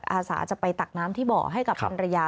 อาสาจะไปตักน้ำที่เบาะให้กับพันรยา